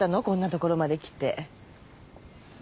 こんなところまで来て。